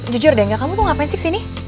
jujur deh gak kamu kok ngapain sih kesini